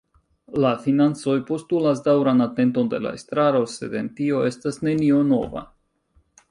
La financoj postulas daŭran atenton de la estraro, sed en tio estas nenio nova.